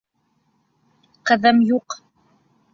Ҡыҙым юҡ.